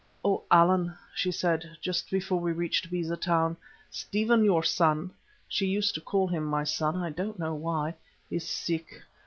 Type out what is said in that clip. "O Allan," she said, just before we reached Beza Town, "Stephen, your son" (she used to call him my son, I don't know why) "is sick.